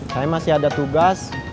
saya masih ada tugas